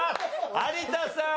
有田さん。